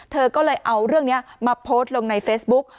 เธอก็เลยเอาเรื่องนี้มาโพสต์ลงในเฟซบุ๊ก